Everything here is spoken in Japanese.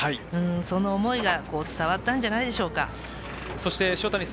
その思いが伝わったんじゃないでしょうか。